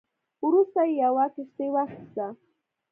وروسته یې یوه کښتۍ واخیسته.